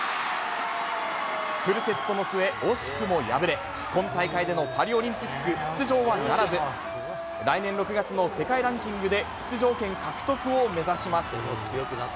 フルセットの末、惜しくも敗れ、今大会でのパリオリンピック出場はならず、来年６月の世界ランキングで出場権獲得を目指します。